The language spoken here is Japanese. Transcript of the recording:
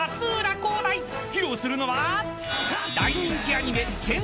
［披露するのは］